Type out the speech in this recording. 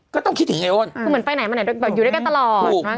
ก็ต้องคิดถึงไอ้อ้นคือเหมือนไปไหนมาไหนแบบอยู่ด้วยกันตลอดถูกมั้